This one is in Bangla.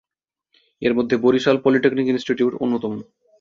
এর মধ্যে বরিশাল পলিটেকনিক ইনস্টিটিউট অন্যতম।